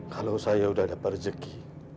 kalau saya udah dapat rezeki